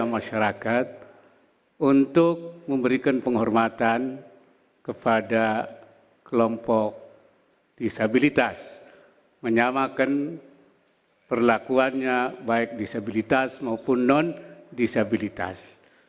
masyarakat untuk memberikan penghormatan kepada kelompok disabilitas menyamakan perlakuannya baik disabilitas maupun non disabilitas